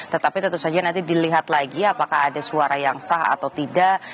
tetapi tentu saja nanti dilihat lagi apakah ada suara yang sah atau tidak